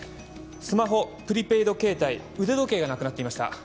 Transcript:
スマホプリペイドケータイ腕時計がなくなっていました。